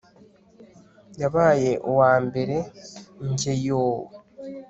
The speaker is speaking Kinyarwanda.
yabaye uwambere Njye yooo